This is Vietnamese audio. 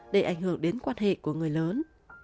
đến quan hệ của người lớn